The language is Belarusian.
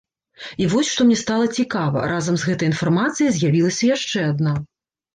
І вось што мне стала цікава, разам з гэтай інфармацыяй з'явілася яшчэ адна.